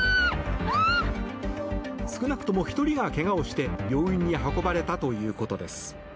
少なくとも１人がけがをして病院に運ばれたということです。